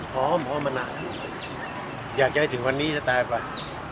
พอมพอมมานะอยากยายถึงวันนี้จะตายไป